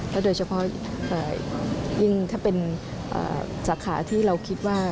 โดยเฉพาะยิ่งถ้าเป็นสาขาที่เราคิดว่า